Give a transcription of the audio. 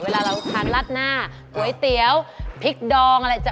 เวลาเราทานราดหน้าก๋วยเตี๋ยวพริกดองอะไรจ้